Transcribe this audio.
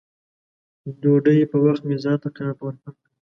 د ډوډۍ پر وخت مې ځان ته قناعت ورکړ